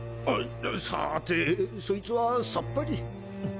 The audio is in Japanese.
さあてそいつはさっぱり。